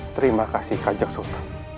terima kasih kajak sultan